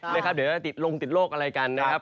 เดี๋ยวติดลงติดโรคอะไรกันนะครับ